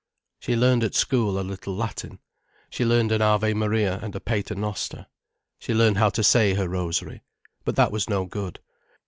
She learned at school a little Latin, she learned an Ave Maria and a Pater Noster, she learned how to say her rosary. But that was no good.